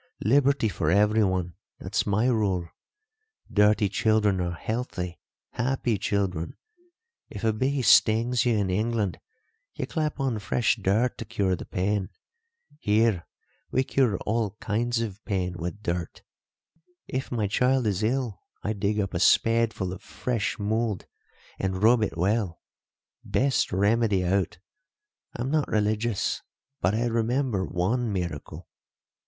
Liberty for everyone that's my rule. Dirty children are healthy, happy children. If a bee stings you in England, you clap on fresh dirt to cure the pain. Here we cure all kinds of pain with dirt. If my child is ill I dig up a spadeful of fresh mould and rub it well best remedy out. I'm not religious, but I remember one miracle.